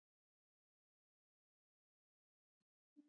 افغانستان د غزني له امله شهرت لري.